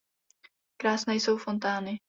Krásné jsou fontány.